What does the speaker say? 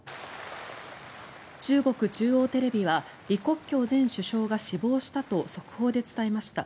中国中央テレビは李克強前首相が死亡したと速報で伝えました。